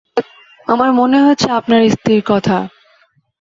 আমার মনে হয়েছে আপনার স্ত্রীর কথা।